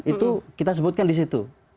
itu kita sebutkan di situ